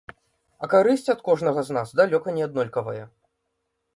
А карысць ад кожнага з нас далёка не аднолькавая.